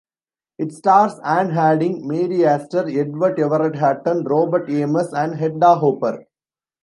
It stars Ann Harding, Mary Astor, Edward Everett Horton, Robert Ames and Hedda Hopper.